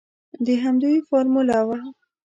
د همدوی فارموله وه.